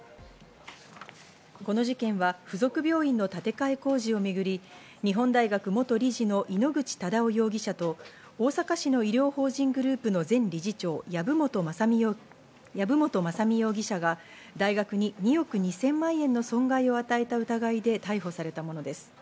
この事件は付属病院の建て替え工事をめぐり日本大学元理事の井ノ口忠男容疑者と大阪市の医療法人グループの前理事長・籔本雅巳容疑者が大学に２億２０００万円の損害を与えた疑いで逮捕されたものです。